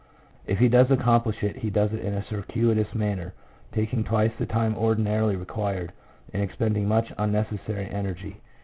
If he does accomplish it, he does it in a circuitous manner, taking twice the time ordinarily required, and expending much unnecessary energy.